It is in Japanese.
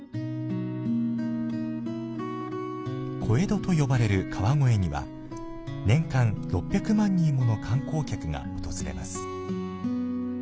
小江戸と呼ばれる川越には、年間６００万人もの観光客が訪れます。